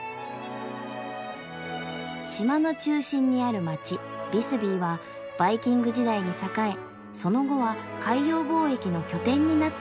島の中心にある街「ビスビー」はバイキング時代に栄えその後は海洋貿易の拠点になったところ。